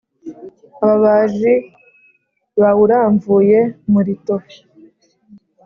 ababaji bawuramvuye mulito